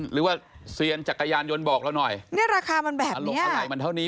หรือว่าเซียนจักรยานยนต์บอกเราหน่อยเนี่ยราคามันแบบเท่าไหร่มันเท่านี้